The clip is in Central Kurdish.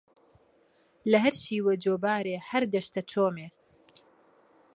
لە هەر شیوە جۆبارێ هەر دەشتە چۆمێ